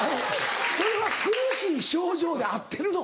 それは苦しい症状で合ってるの？